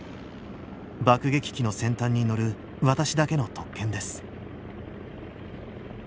爆撃機の先端に乗る私だけの特権です。